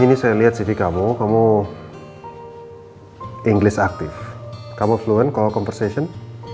ini saya liat cv kamu kamu english active kamu fluent kalau conversation